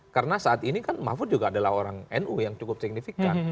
karena saat ini kan mafud juga adalah orang nu yang cukup signifikan